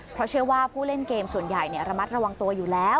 เพราะเชื่อว่าผู้เล่นเกมส่วนใหญ่ระมัดระวังตัวอยู่แล้ว